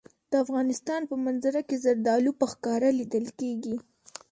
د افغانستان په منظره کې زردالو په ښکاره لیدل کېږي.